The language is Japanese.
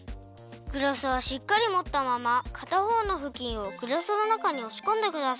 グラスはしっかりもったままかたほうのふきんをグラスの中におしこんでください。